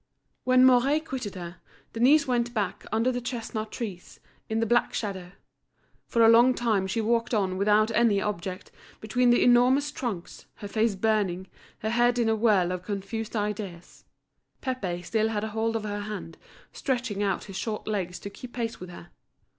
When Mouret quitted her, Denise went back under the chestnut trees, in the black shadow. For a long time she walked on without any object, between the enormous trunks, her face burning, her head in a whirl of confused ideas. Pépé still had hold of her hand, stretching out his short legs to keep pace with her.